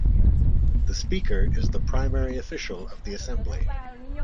The Speaker is the primary official of the Assembly.